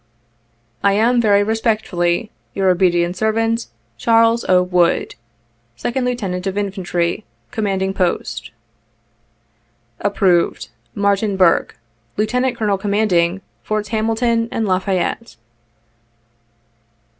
"I am, very respectfully, your obedient servant, "CHAKLES O. WOOD/' " Second Lieutenant of Infantry, " Commanding Post. " Approved :— Martin Burke, Lieutenant Colonel , Commanding " Forts Hamilton and La Fayette.